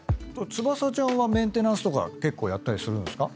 翼ちゃんはメンテナンスとか結構やったりするんすか？